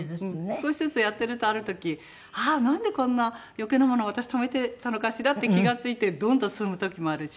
少しずつやってるとある時なんでこんな余計な物私ためてたのかしらって気が付いてどんどん進む時もあるしね。